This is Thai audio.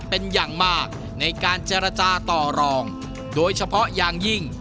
เป็นอย่างมากในการเจรจาต่อรองโดยเฉพาะอย่างยิ่ง